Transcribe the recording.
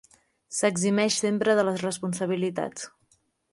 S'eximeix sempre de les responsabilitats.